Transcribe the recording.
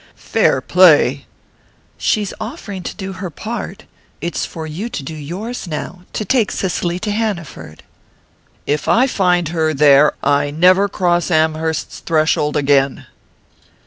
"Fair play?" "She's offering to do her part. It's for you to do yours now to take Cicely to Hanaford." "If I find her there, I never cross Amherst's threshold again!"